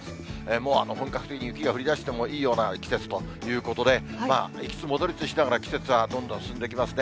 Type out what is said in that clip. もう本格的に雪が降りだしてもいいような季節ということで、行きつ戻りつしながら季節はどんどん進んでいきますね。